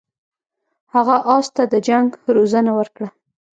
هغه اس ته د جنګ روزنه ورکړه.